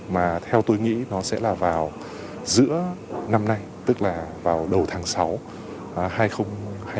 mà theo tôi nghĩ nó sẽ là vào giữa năm nay tức là vào đầu tháng sáu hai nghìn hai mươi